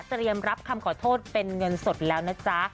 เตรียมรับคำขอโทษเป็นเงินสดแล้วนะจ๊ะ